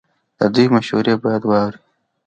د دوی مشورې باید واورئ.